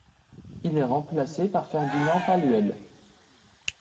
Il est remplacé par Ferdinand Palluel.